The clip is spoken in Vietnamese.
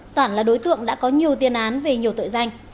toản là đối tượng đã có nhiều tiền án về nhiều tội danh